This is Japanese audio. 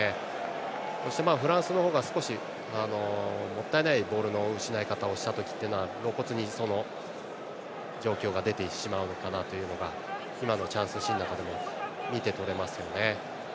そして、フランスの方が少しもったいないボールの失い方をした時は露骨にその状況が出てしまうのかなというのが今のチャンスシーンなんかでも見て取れましたね。